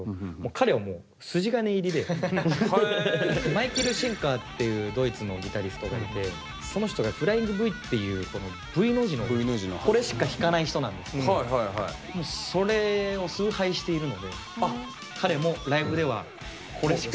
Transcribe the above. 彼はもう筋金入りでマイケル・シェンカーっていうドイツのギタリストがいてその人がフライングＶっていうＶの字のこれしか弾かない人なんですけどもうそれを崇拝しているので彼もライブではこれしか。